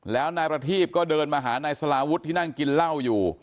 แล้วนายประทีบก็เดินมาหานายสลาวุฒิที่นั่งกินเหล้าอยู่